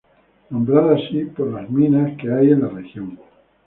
Nombrado así por las minas que hay en la región.